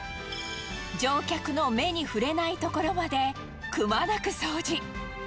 乗客の目に触れない所までくまなく掃除。